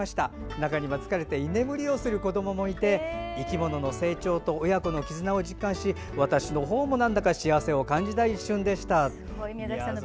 中には疲れて居眠りをする子どももいて生き物の成長と親子の絆を実感し私の方もなんだか幸せを感じた一瞬でした。